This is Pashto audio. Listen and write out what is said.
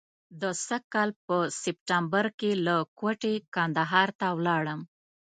د سږ کال په سپټمبر کې له کوټې کندهار ته ولاړم.